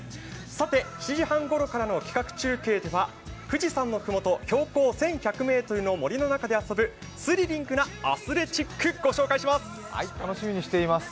さて７時半ごろからの企画中継では富士山の麓、標高１１００ｍの森の中で遊ぶスリリングなアスレチックご紹介します。